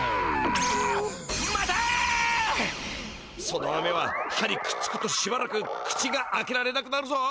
そのアメは歯にくっつくとしばらく口が開けられなくなるぞ。